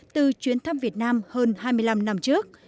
từ chuyến thăm việt nam hơn hai mươi năm năm trước